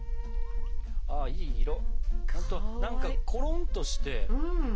いい色何かコロンとして。